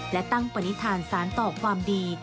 และตั้งปณิธานสารต่อความดี